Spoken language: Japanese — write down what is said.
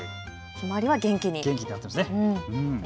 ひまわりは元気に。